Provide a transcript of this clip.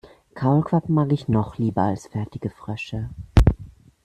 Kaulquappen mag ich noch lieber als fertige Frösche.